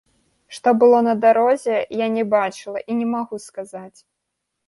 Што было на дарозе, я не бачыла і не магу сказаць.